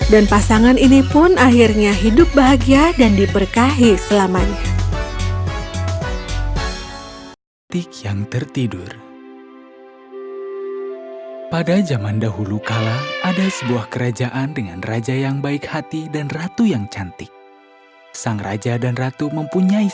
dan pasangan ini pun akhirnya hidup bahagia dan diperkahi selamanya